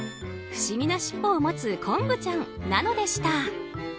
不思議なしっぽを持つこんぶちゃんなのでした。